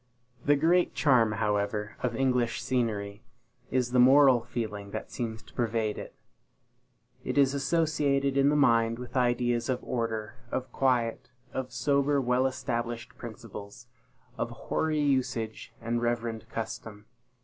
The great charm, however, of English scenery, is the moral feeling that seems to pervade it. It is associated in the mind with ideas of order, of quiet, of sober well established principles, of hoary usage and reverend custom.